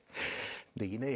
できねえや。